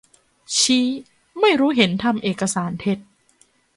ชี้ไม่รู้เห็นทำเอกสารเท็จ